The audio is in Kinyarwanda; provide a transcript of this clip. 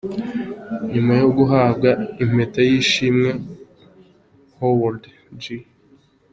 Nyuma yo guhabwa Impeta y’Ishimwe, Howard G.